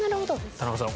田中さん